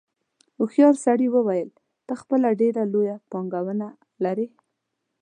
هوښیار سړي وویل ته خپله ډېره لویه پانګه لرې.